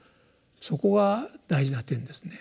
そこが大事な点ですね。